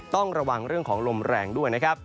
ต้องระวังเรื่องของลมแรงด้วยนะครับ